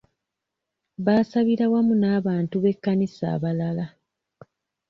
Baasabira wamu n'abantu b'ekkanisa abalala.